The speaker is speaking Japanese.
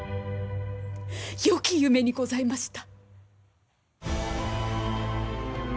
よき夢にございました。